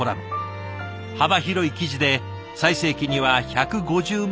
幅広い記事で最盛期には１５０万部を誇りました。